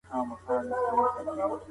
هيڅوک د دين په منلو نه مجبوريږي.